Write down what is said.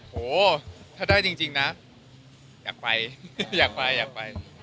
โหถ้าได้จริงนะอยากไปอยากไปอยากไป